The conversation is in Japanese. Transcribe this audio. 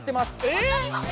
え